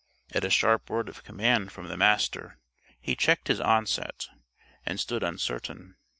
At a sharp word of command from the Master, he checked his onset and stood uncertain.